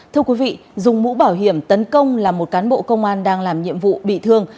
thưa quý vị dùng mũ bảo hiểm tấn công là một cán bộ công an đang làm nhiệm vụ bị thương